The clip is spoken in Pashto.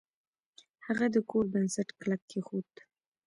هغه د کور بنسټ کلک کیښود.